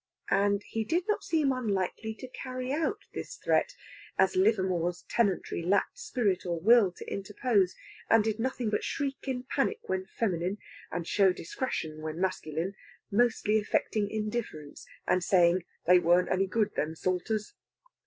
And he did not seem unlikely to carry out his threat, as Livermore's tenantry lacked spirit or will to interpose, and did nothing but shriek in panic when feminine, and show discretion when masculine; mostly affecting indifference, and saying they warn't any good, them Salters.